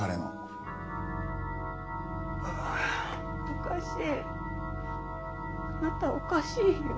おかしいあなたおかしいよ。